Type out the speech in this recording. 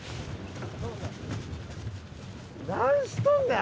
なんしとんねん？